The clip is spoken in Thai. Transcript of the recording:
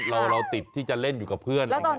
เราติดที่จะเล่นอยู่กับเพื่อน